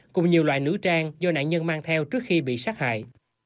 cùng nhiều loại nữ trang do nạn nhân mang theo trước khi bị sát hại